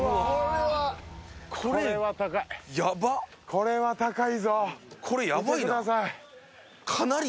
これは高い。